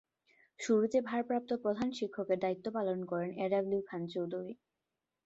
শুরুতে ভারপ্রাপ্ত প্রধান শিক্ষকের দায়িত্ব পালন করেন এ ডব্লিউ খান চৌধুরী।